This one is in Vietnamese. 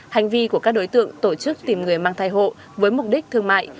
hành vi của các đối tượng tổ chức tìm người mang thai hộ với mục đích thương mại